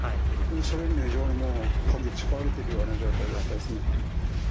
それに非常にもうこき使われてるような状態だったですね。